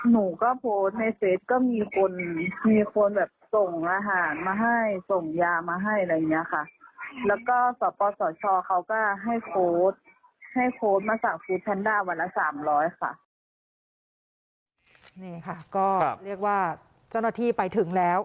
นี่ค่ะก็เรียกว่าเจ้าหน้าที่ไปถึงแล้ว